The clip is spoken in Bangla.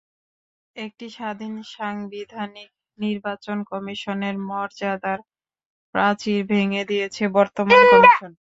একটি স্বাধীন সাংবিধানিক নির্বাচন কমিশনের মর্যাদার প্রাচীর ভেঙে দিয়েছে বর্তমান কমিশন।